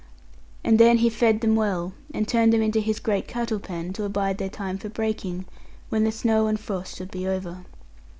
And then he fed them well, and turned them into his great cattle pen, to abide their time for breaking, when the snow and frost should be over.